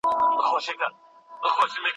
د خجورو ونې خورا اهمیت لري.